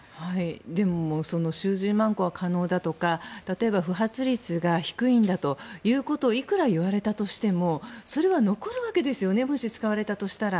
でも数十万個は可能だとか例えば不発率が低いんだということをいくら言われたとしてもそれは残るわけですよねもし使われたとしたら。